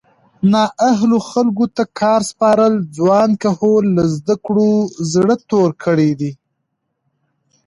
نااهلو خلکو ته کار سپارل ځوان کهول له زده کړو زړه توری کوي